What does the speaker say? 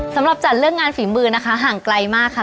สำหรับจัดเรื่องงานฝีมือนะคะห่างไกลมากค่ะ